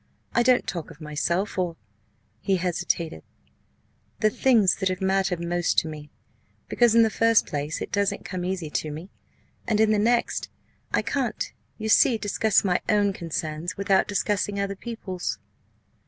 I don't talk of myself or" he hesitated "the things that have mattered most to me because, in the first place, it doesn't come easy to me and, in the next, I can't, you see, discuss my own concerns without discussing other people's."